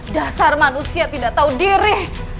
dasar manusia tidak tahu diri